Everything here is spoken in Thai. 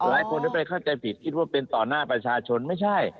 หลายคนได้ไปเข้าใจผิดคิดว่าเป็นต่อหน้าประชาชนไม่ใช่